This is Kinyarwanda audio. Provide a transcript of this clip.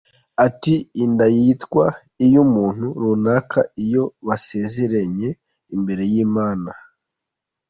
Ati “Inda yitwa iy’umuntu runaka iyo basezeranye imbere y’Imana.